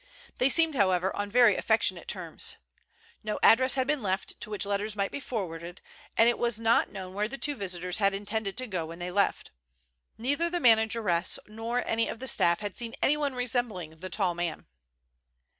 They seemed, however, on very affectionate terms. No address had been left to which letters might be forwarded, and it was not known where the two visitors had intended to go when they left. Neither the manageress nor any of the staff had seen anyone resembling the tall man.